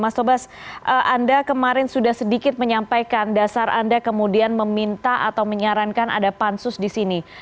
mas tobas anda kemarin sudah sedikit menyampaikan dasar anda kemudian meminta atau menyarankan ada pansus di sini